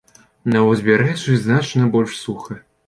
На ўзбярэжжы значна больш суха.